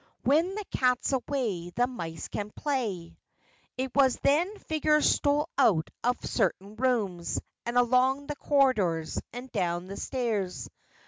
"When the cat's away the mice can play." It was then figures stole out of certain rooms, and along the corridors, and down the stairs.